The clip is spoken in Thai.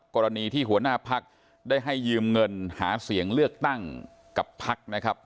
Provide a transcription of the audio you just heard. กรณีที่หัวหน้าพักได้ให้ยืมเงินหาเสียงเลือกตั้งกับพักนะครับ